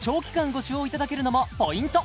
ご使用いただけるのもポイント！